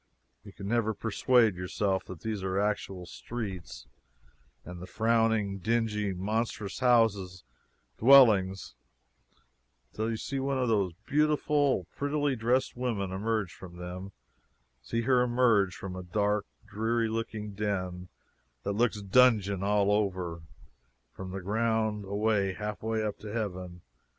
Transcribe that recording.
You can never persuade yourself that these are actually streets, and the frowning, dingy, monstrous houses dwellings, till you see one of these beautiful, prettily dressed women emerge from them see her emerge from a dark, dreary looking den that looks dungeon all over, from the ground away halfway up to heaven.